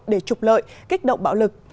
để trục lợi kích động bạo lực